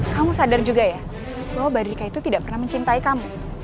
kamu sadar juga ya bahwa barrika itu tidak pernah mencintai kamu